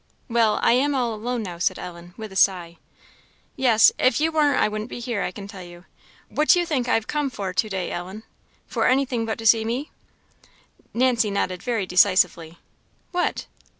"Well I am all alone now," said Ellen, with a sigh. "Yes, if you warn't I wouldn't be here, I can tell you. What do you think I have come for to day, Ellen?" "For anything but to see me?" Nancy nodded very decisively. "What?"